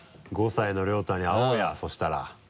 ５歳の亮太に会おうやそしたら。